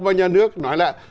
và nhà nước nói là